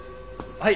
はい。